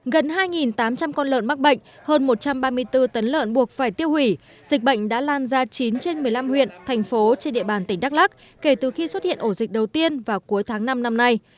gần hai tám trăm linh con lợn mắc bệnh hơn một trăm ba mươi bốn tấn lợn buộc phải tiêu hủy dịch bệnh đã lan ra chín trên một mươi năm huyện thành phố trên địa bàn tỉnh đắk lắc kể từ khi xuất hiện ổ dịch đầu tiên vào cuối tháng năm năm nay